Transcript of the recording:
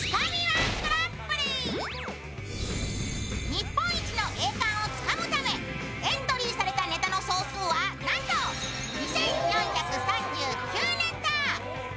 日本一の栄冠をつかむためエントリーされたネタの総数はなんと２４３９ネタ！